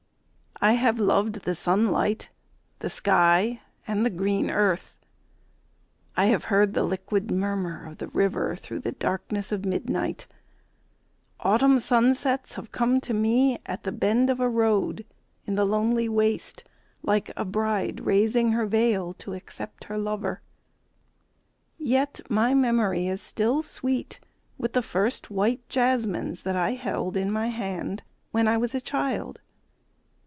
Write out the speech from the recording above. I have loved the sunlight, the sky and the green earth; I have heard the liquid murmur of the river through the darkness of midnight; Autumn sunsets have come to me at the bend of a road in the lonely waste, like a bride raising her veil to accept her lover. Yet my memory is still sweet with the first white jasmines that I held in my hand when I was a child.